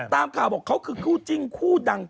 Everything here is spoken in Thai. ตามข่าวบอกเขาคือครูจริงคู้ดัง